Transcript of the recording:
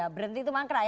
berhenti itu mangkrak ya